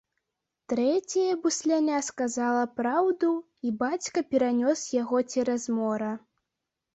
Трэцяе бусляня сказала праўду, і бацька перанёс яго цераз мора.